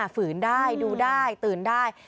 ฝืนได้ดูได้ตื่นได้